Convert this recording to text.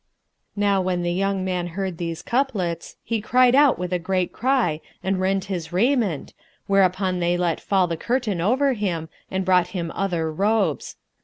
Now when the young man heard these couplets, he cried out with a great cry and rent his raiment, whereupon they let fall the curtain over him and brought him other robes.